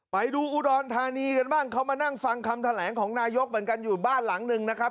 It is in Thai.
ไปดูอุดรธานีกันบ้างเขามานั่งฟังคำแถลงของนายกเหมือนกันอยู่บ้านหลังหนึ่งนะครับ